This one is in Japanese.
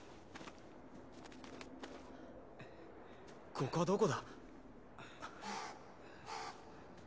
ここはどこだ？